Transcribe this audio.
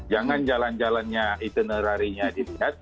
jangan jalan jalannya itinerarinya dilihat